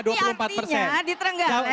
tapi artinya di trenggalek masih ada